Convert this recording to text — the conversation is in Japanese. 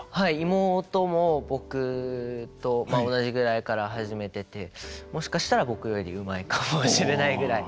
妹も僕と同じぐらいから始めててもしかしたら僕よりうまいかもしれないぐらい。